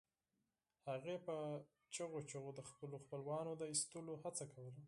هغې په چیغو چیغو د خپلو خپلوانو د ایستلو هڅه کوله